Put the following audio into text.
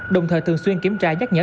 đồng thời thường xuyên kiểm tra nhắc nhở